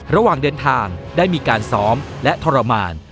ระหว่างเดินทางได้มีการซ้อมและทรมาน